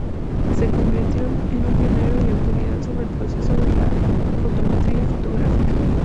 Se convirtió en un pionero y autoridad sobre el proceso de la fotometría fotográfica.